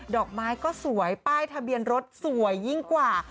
อกไม้ก็สวยป้ายทะเบียนรถสวยยิ่งกว่า